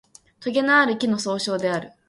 とげのある木の総称である